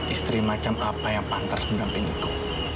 istri macam apa yang pantas menampingiku